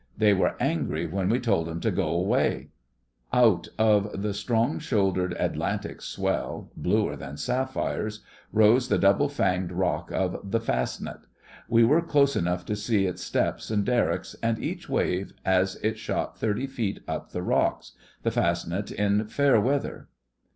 They were angry when we told 'em to go away!' Out of the strong shouldered Atlantic swell—bluer than sapphires—rose the double fanged rock of the Fastnet. We were close enough to see its steps and derricks and each wave as it shot thirty feet up the rocks—the Fastnet in fair weather.